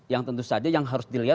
yang tentu saja yang harus dilihat